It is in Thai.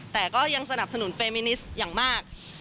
แต่ก็ยังสนับสนุนเฟรมินิสอย่างมาก